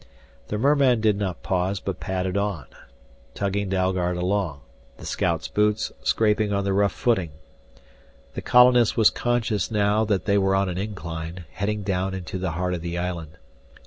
The merman did not pause but padded on, tugging Dalgard along, the scout's boots scraping on the rough footing. The colonist was conscious now that they were on an incline, heading down into the heart of the island.